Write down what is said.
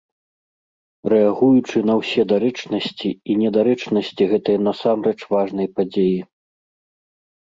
Рэагуючы на ўсе дарэчнасці і недарэчнасці гэтай насамрэч важнай падзеі.